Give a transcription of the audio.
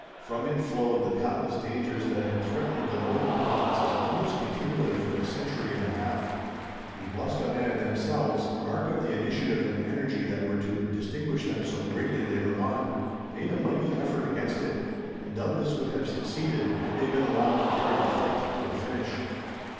From it flowed the countless dangers that had threatened the northern provinces almost continually for a century and a half. The Bostonnais themselves, mark of the initiative and energy that were to distinguish them so greatly later on, made a mighty effort against it, and doubtless would have succeeded, had they been allowed to carry the fight to a finish.